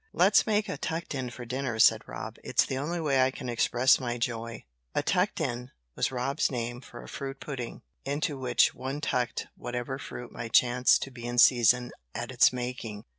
"Let's make a tucked in for dinner," said Rob. "It's the only way I can express my joy." A "tucked in" was Rob's name for a fruit pudding, into which one tucked whatever fruit might chance to be in season at its making.